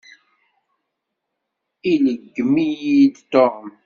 Ileggem-iyi-d Tom.